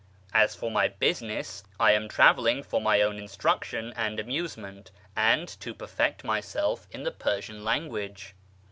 As for my business, I am travelling for my own instruction and amuse ment, and to perfect myself in the Persian language.